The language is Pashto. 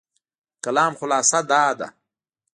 د کلام خلاصه دا ده،